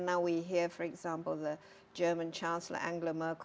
dan sekarang kita mendengar misalnya kecamatan jerman angela merkel